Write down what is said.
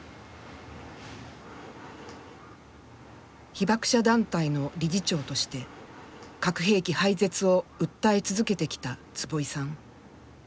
被爆者団体の理事長として核兵器廃絶を訴え続けてきた坪井さん。